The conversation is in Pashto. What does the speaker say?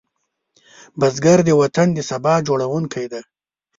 بزګر د وطن د سبا جوړوونکی دی